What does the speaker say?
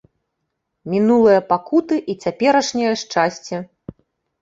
Мінулыя пакуты і цяперашняе шчасце!